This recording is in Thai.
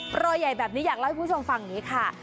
ปล่อยใหญ่แบบนี้อยากเล่าให้คุณผู้ชมฟังนี้ค่ะ